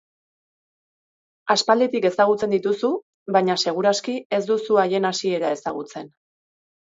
Aspalditik ezagutzen dituzu baina seguraski ez duzu haien hasiera ezagutzen.